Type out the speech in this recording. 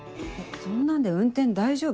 そんなんで運転大丈夫？